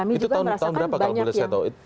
itu tahun berapa kalau boleh saya tahu